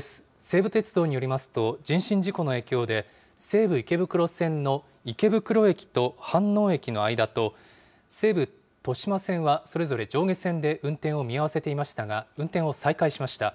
西武鉄道によりますと、人身事故の影響で、西武池袋線の池袋駅と飯能駅の間と、西武豊島線はそれぞれ上下線で運転を見合わせていましたが、運転を再開しました。